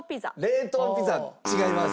冷凍ピザ違います。